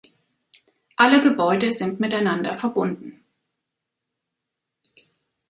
Alle Gebäude sind miteinander verbunden.